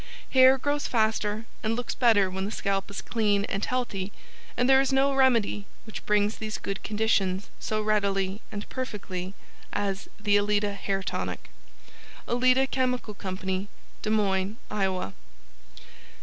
Hair grows faster and looks better when the scalp is clean and healthy, and there is no remedy which brings these good conditions so readily and perfectly, as the ALETA HAIR TONIC. ALETA CHEMICAL CO. DES MOINES, IOWA.